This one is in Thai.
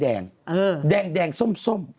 แดงส้ม